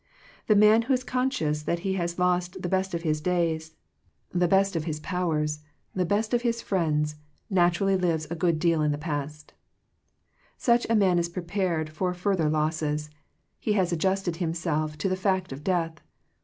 The man who is conscious that he has lost the best of his days, the best of 119 Digitized by VjOOQIC THE ECLIPSE OF FRIENDSHIP his powers, the best of his friends, nat urally lives a good deal in the past. Such a man is prepared for furthe losses; he has adjusted himself to the fact of death.